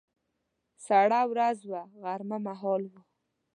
سړه ورځ وه، غرمه مهال و.